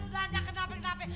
aduh jangan kenapa kenapa